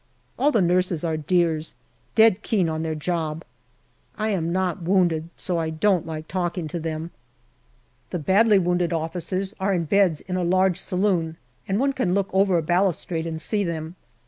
All the nurses are dears, dead keen on their job. I am not wounded, so I don't like talking to them. The badly wounded officers are in beds in a large saloon, JULY 165 and one can look over a balustrade and see them.